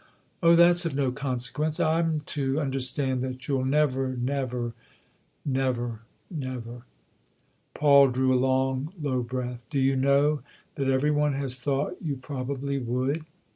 " Oh, that's of no consequence ! I'm to understand that you'll never, never ?" "Never, never." Paul drew a long, low breath. "Do you know that every one has thought you probably would